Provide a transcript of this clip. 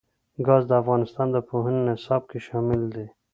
ګاز د افغانستان د پوهنې نصاب کې شامل دي.